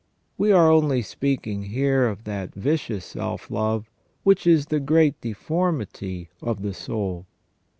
We are only speaking here of that vicious self love which is the great deformity of the soul.